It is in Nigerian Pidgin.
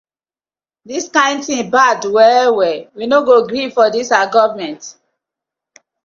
Dis kin tin bad well well, we no gree for dis our gofment.